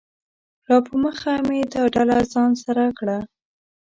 راپه مخه مې دا ډله ځان سره کړه